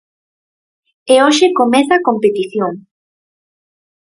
E hoxe comeza a competición.